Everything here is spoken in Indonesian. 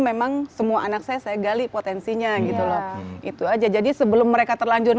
memang semua anak saya saya gali potensinya gitu loh itu aja jadi sebelum mereka terlanjur